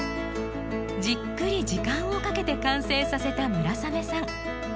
じっくり時間をかけて完成させた村雨さん。